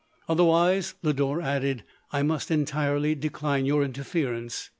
" Other wise/ 1 Lodore added, " I must entirely decline your interference.